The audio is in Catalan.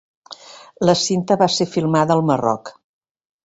La cinta va ser filmada al Marroc.